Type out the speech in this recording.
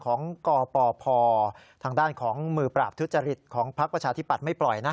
ของกปพทางด้านของมือปราบทุจริตของพักประชาธิปัตย์ไม่ปล่อยนะ